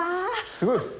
すごいですね。